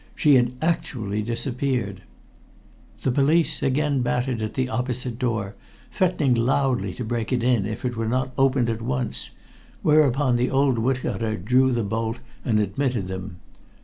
She had actually disappeared! The police again battered at the opposite door, threatening loudly to break it in if it were not opened at once, whereupon the old wood cutter drew the bolt and admitted them.